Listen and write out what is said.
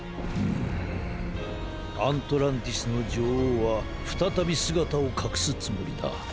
アントランティスのじょおうはふたたびすがたをかくすつもりだ。